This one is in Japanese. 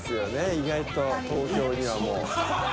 意外と東京にはもう。